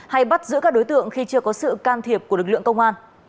hay bắt giữ các đối tượng khi chưa có sự can thiệp của lực lượng công an